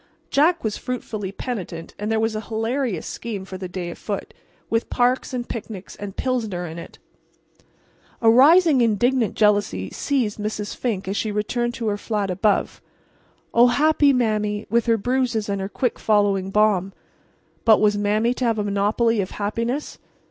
Jack was fruitfully penitent, and there was a hilarious scheme for the day afoot, with parks and picnics and Pilsener in it. A rising, indignant jealousy seized Mrs. Fink as she returned to her flat above. Oh, happy Mame, with her bruises and her quick following balm! But was Mame to have a monopoly of happiness?